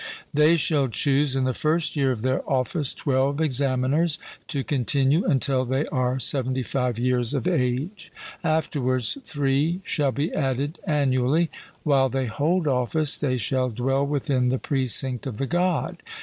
They shall choose in the first year of their office twelve examiners, to continue until they are seventy five years of age; afterwards three shall be added annually. While they hold office, they shall dwell within the precinct of the God.